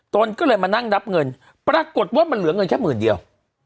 ตนก็เลยมานั่งนับเงินปรากฏว่ามันเหลือเงินแค่หมื่นเดียว